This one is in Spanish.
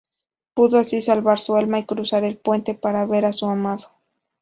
Pudo así salvar su alma y cruzar el puente para ver a su amado.